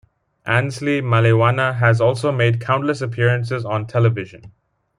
Annesley Malewana has also made countless appearances on television.